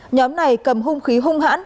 nhóm này cầm hung khí hung hãn